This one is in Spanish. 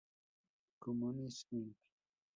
Cummins Inc.